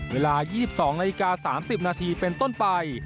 เวลา๒๒นาฬิกา๓๐นาทีเป็นต้นไป